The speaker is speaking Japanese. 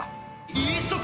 イースト菌。